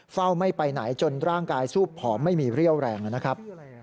เฝ้าไม่ไปไหนจนร่างกายสู้ผอมไม่มีเรี่ยวแรงนะครับ